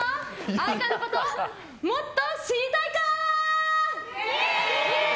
愛花のこともっと知りたいかー！